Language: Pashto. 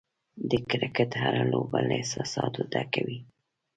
د کرکټ هره لوبه له احساساتو ډکه وي.